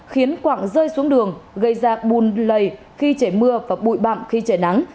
khiến quảng rơi xuống đường gây ra bùn lầy khi chảy mưa và bụi bạm khi chảy nắng